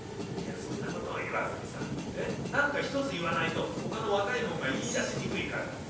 「いやそんなことを言わずにさねっ何か１つ言わないとほかの若いもんが言いだしにくいから」。